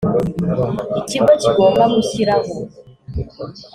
ikigo kigomba gushyiraho